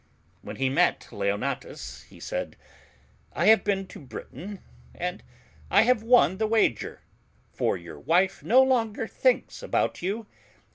When he met Leonatus, he said — I have been to Britain and I have won the wager, for your wife no longer thinks about you.'